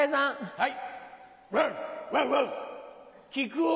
はい。